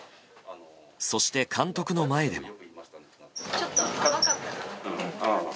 そして、監督の前でも。